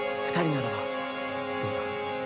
二人ならばどうだ？